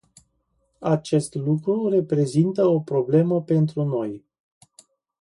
Acest lucru reprezintă o problemă pentru noi.